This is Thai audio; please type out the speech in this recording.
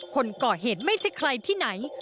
คนก่อเหตุไม่ใช่ใครที่ไหน